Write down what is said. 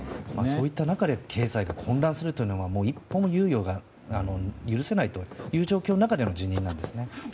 そういった中で経済が混乱するというのは一歩も猶予が許されないという状況での辞任なんですね。